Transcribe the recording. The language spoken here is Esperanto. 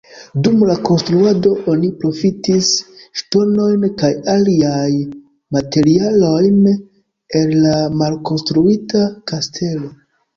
Dum la konstruado oni profitis ŝtonojn kaj aliaj materialojn el la malkonstruita kastelo.